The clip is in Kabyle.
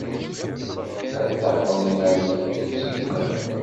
Ad d-tafed iman-nnek deg usegnaf.